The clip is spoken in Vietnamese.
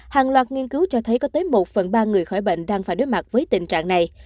hàng loạt nghiên cứu cho thấy có tới một phần ba người khỏi bệnh đang phải đối mặt với tình trạng này